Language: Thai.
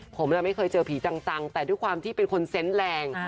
ผมไม่เคยเจอผีจังแต่ด้วยความที่เป็นคนเซนต์แรง